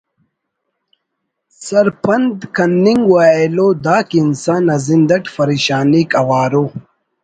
سرپند کننگ و ایلو دا کہ انسان نا زند اٹ فریشانیک اوار ءُ